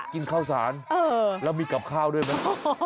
กินข้าวสารแล้วมีกับข้าวด้วยไหม